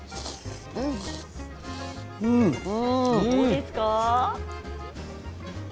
どうですか？